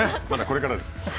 まだこれからです。